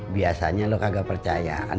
biasanya lu kagak percayaan